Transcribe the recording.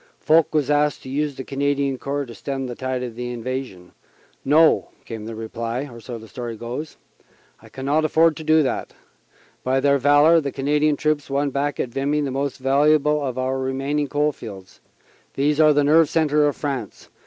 Foch was asked to use the Canadian Corps to stem the tide of invasion. "No," came the reply so the story goes "I cannot afford to do that. By their valor the Canadian troops won back at Vimy the most valuable of our remaining coal fields. These are the nerve centre of France.